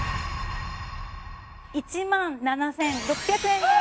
１万７６００円です！